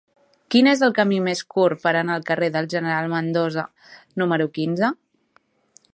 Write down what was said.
Quin és el camí més curt per anar al carrer del General Mendoza número quinze?